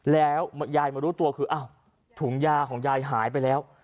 แล้วยายมารู้ตัวคืออ้าวถุงยาของยายหายไปแล้ว